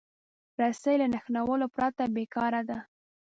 رسۍ له نښلولو پرته بېکاره ده.